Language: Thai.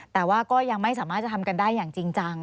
แต่ว่าก็ยังไม่สามารถจะทำกันได้อย่างจริงจัง